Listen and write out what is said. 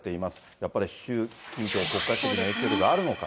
やっぱり習近平国家主席の影響力あるのかと。